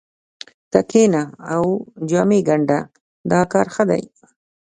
ته کښېنه او جامې ګنډه دا کار ښه دی